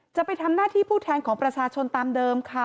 จะไปทำหน้าที่ผู้แทนของประชาชนตามเดิมค่ะ